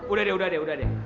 udah deh udah deh udah deh